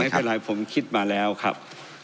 ไม่เป็นไรผมคิดมาแล้วครับ